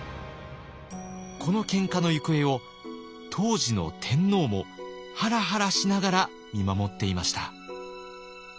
このけんかの行方を当時の天皇もハラハラしながら見守っていました。